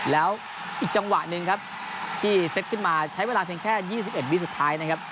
แล้วอีกจังหวะหนึ่งครับที่เซ็ตขึ้นมาใช้เวลาเพียงแค่๒๑วิสุดท้ายนะครับ